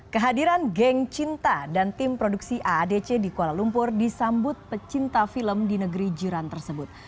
kehadiran geng cinta dan tim produksi aadc di kuala lumpur disambut pecinta film di negeri jiran tersebut